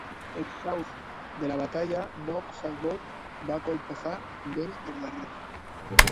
Exhaust de la batalla, Noob Saibot va colpejar Goro per darrere.